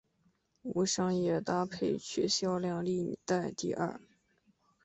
无商业搭配曲销售历代第二。